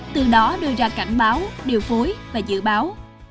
từ đó đưa ra cảnh báo điều phối và dự báo